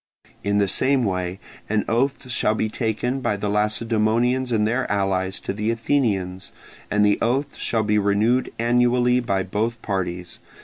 In the same way an oath shall be taken by the Lacedaemonians and their allies to the Athenians: and the oath shall be renewed annually by both parties.